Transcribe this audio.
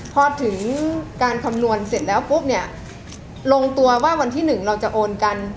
พอถึงการคำนวณเสร็จแล้วปุ๊บเนี่ยลงตัวว่าวันที่๑เราจะโอนกัน